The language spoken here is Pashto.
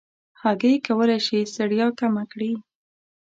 هګۍ کولی شي ستړیا کمه کړي.